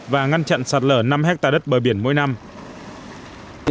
và ngăn chặn sạt lở năm hectare đất bờ biển mỗi năm